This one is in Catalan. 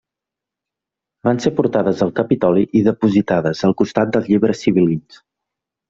Van ser portades al Capitoli i depositades al costat dels llibres sibil·lins.